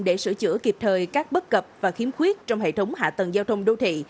để sửa chữa kịp thời các bất cập và khiếm khuyết trong hệ thống hạ tầng giao thông đô thị